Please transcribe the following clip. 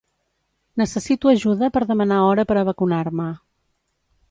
Necessito ajuda per demanar hora per a vacunar-me.